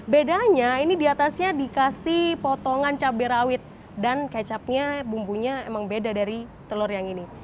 bedanya ini diatasnya dikasih potongan cabai rawit dan kecapnya bumbunya emang beda dari telur yang ini